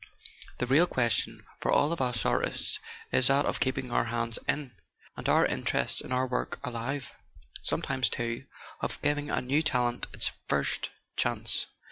"The real question, for all of us artists, is that of keeping our hands in, and our interest in our work alive; some¬ times, too, of giving a new talent its first chance.